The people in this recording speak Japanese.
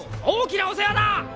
大きなお世話だ！